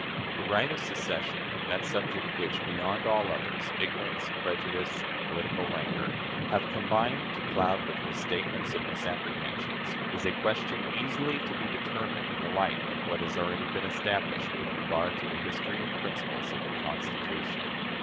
The Right of Secession that subject which, beyond all others, ignorance, prejudice, and political rancor have combined to cloud with misstatements and misapprehensions is a question easily to be determined in the light of what has already been established with regard to the history and principles of the Constitution.